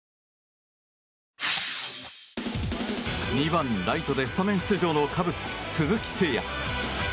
２番ライトでスタメン出場のカブス、鈴木誠也。